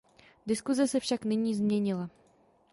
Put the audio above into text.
Diskuse se však nyní změnila.